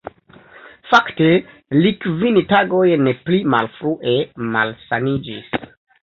Fakte li kvin tagojn pli malfrue malsaniĝis.